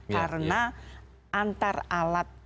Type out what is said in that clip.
karena antar alat